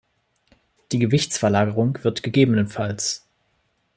Die Gewichtsverlagerung wird ggf.